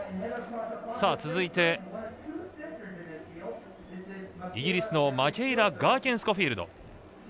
続いて、イギリスのマケイラ・ガーケンスコフィールド。